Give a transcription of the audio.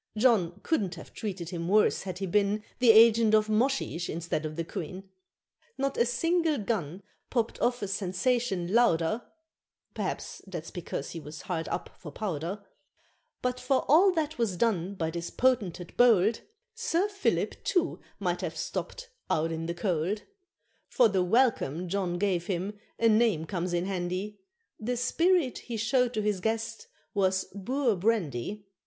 John couldn't have treated him worse had he been The agent of Moshesh instead of the Queen. Not a single gun popped off a sensation louder (Perhaps that's because he was hard up for powder) But, for all that was done by this potentate bold, Sir Philip too might have stopped "out in the cold," For the welcome John gave him a name comes in handy, The spirit he showed to his guest was Boer Brandy.